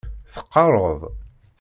Teqqareḍ?